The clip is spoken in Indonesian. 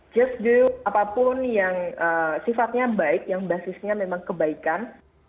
just do apapun yang sifatnya baik yang basisnya memang kebaikan